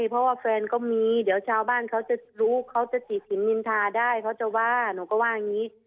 เพราะว่าแฟนก็มีเดี๋ยวชาวบ้านเขาจะรู้เขาจะติดสินนินทาได้เขาจะว่าหนูก็ว่าอย่างนี้